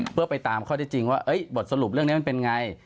เพื่อไปตามข้อที่จริงว่าบทสรุปเรื่องนี้มันเป็นไง